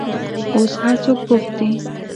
اوس هر څوک بوخت دي.